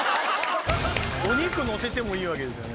お肉のせてもいいわけですよね？